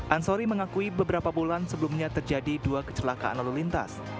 ansori mengakui beberapa bulan sebelumnya terjadi dua kecelakaan lalu lintas